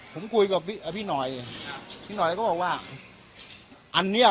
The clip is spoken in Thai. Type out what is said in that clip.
ผมคุยกับพี่หน่อยพี่หน่อยก็บอกว่าอันเนี้ย